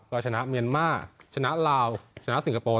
ก็ชนะเมียนมาร์ชนะลาวชนะสิงคโปร์